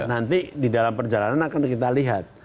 nanti di dalam perjalanan akan kita lihat